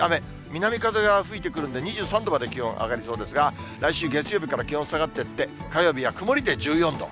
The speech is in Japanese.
南風が吹いてくるんで、２３度まで気温上がりそうですが、来週月曜日から気温下がっていって、火曜日は曇りで１４度。